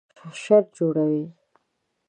شر جوړوي